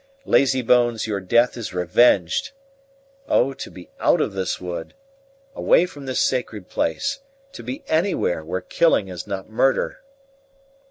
Lazybones, your death is revenged! Oh, to be out of this wood away from this sacred place to be anywhere where killing is not murder!"